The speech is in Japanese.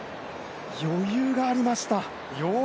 余裕がありました。